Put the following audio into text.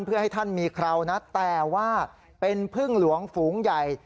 เพื่อให้ท่านมีคราวนะแต่ว่าเป็นพึ่งหลวงฝูงใหญ่